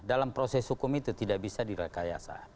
dalam proses hukum itu tidak bisa direkayasa